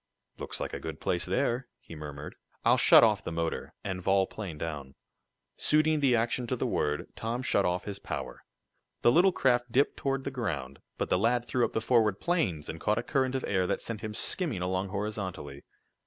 "Looks like a good place there," he murmured. "I'll shut off the motor, and vol plane down." Suiting the action to the word, Tom shut off his power. The little craft dipped toward the ground, but the lad threw up the forward planes, and caught a current of air that sent him skimming along horizontally.